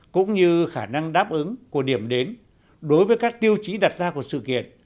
cũng như khả năng đáp ứng của điểm đến đối với các tiêu chí đặt ra của sự kiện